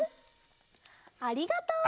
ありがとう！